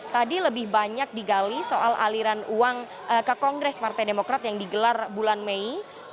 tadi lebih banyak digali soal aliran uang ke kongres partai demokrat yang digelar bulan mei dua ribu dua puluh